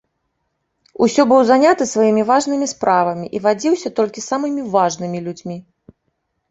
Усё быў заняты сваімі важнымі справамі і вадзіўся толькі з самымі важнымі людзьмі.